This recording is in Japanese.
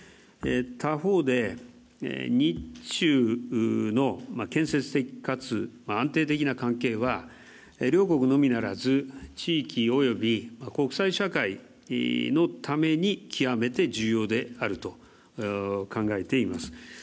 他方で、日中の建設的かつ安定的な関係は、両国のみならず地域及び国際社会のために極めて重要であると考えています。